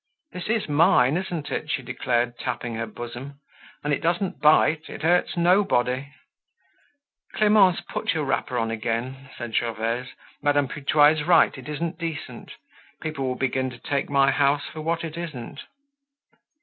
"This is mine, isn't it?" she declared, tapping her bosom. "And it doesn't bite; it hurts nobody!" "Clemence, put your wrapper on again," said Gervaise. "Madame Putois is right, it isn't decent. People will begin to take my house for what it isn't."